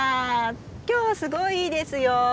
今日はすごいいいですよ。